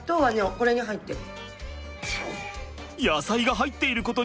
これに入ってる。